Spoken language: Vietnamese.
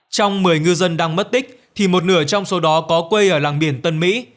trong một mươi ngư dân đang mất tích thì một nửa trong số đó có quê ở làng biển tân mỹ